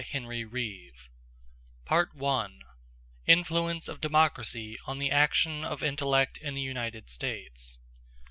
March, 1840 Section I: Influence of Democracy on the Action of Intellect in The United States.